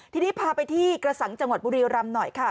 ทีนี้พาไปที่กระสังจังหวัดบุรีรำหน่อยค่ะ